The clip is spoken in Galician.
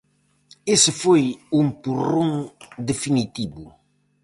Ese foi o empurrón definitivo.